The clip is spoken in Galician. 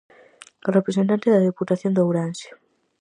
Representante da Deputación de Ourense.